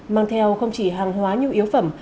mang theo không chỉ hàng hóa như yếu phẩm